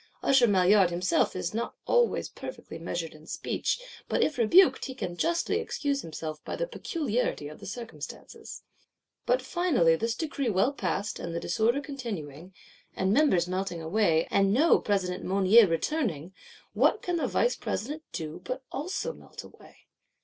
Usher Maillard himself is not always perfectly measured in speech; but if rebuked, he can justly excuse himself by the peculiarity of the circumstances. But finally, this Decree well passed, and the disorder continuing; and Members melting away, and no President Mounier returning,—what can the Vice President do but also melt away?